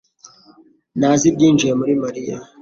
ntazi ibyinjiye muri Mariya